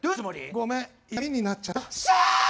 ごめん嫌みになっちゃった。